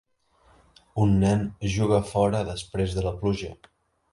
Un nen juga afora després de la pluja.